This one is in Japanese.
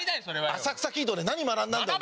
『浅草キッド』で何学んだんだよ。